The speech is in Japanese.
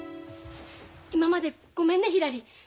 今までごめんねひらり。